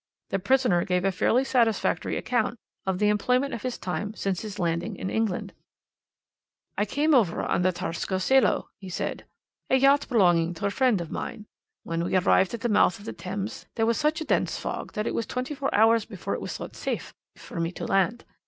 The prisoner gave a fairly satisfactory account of the employment of his time since his landing in England. "'I came over on the Tsarskoe Selo,' he said, 'a yacht belonging to a friend of mine. When we arrived at the mouth of the Thames there was such a dense fog that it was twenty four hours before it was thought safe for me to land.